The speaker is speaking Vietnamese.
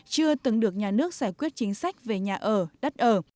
chưa từng được nhà nước giải quyết chính sách về nhà ở đất ở